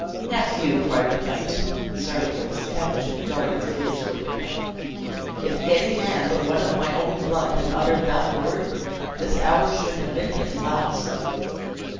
"Nephew!" cried the knight, starting from his couch; and darting a fierce look at him, "if any man but one of my own blood had uttered that word, this hour should have been his last."